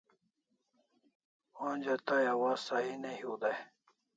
Onja tai awaz sahi ne hiu dai